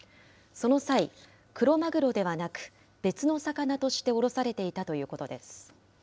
その際、クロマグロではなく、別の魚として卸されていたということです。